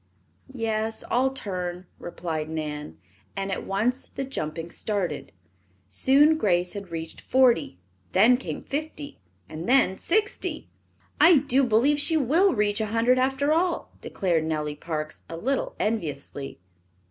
"Yes, I'll turn," replied Nan, and at once the jumping started. Soon Grace had reached forty. Then came fifty, and then sixty. "I do believe she will reach a hundred after all," declared Nellie Parks, a little enviously.